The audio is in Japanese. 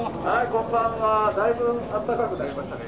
だいぶんあったかくなりましたね。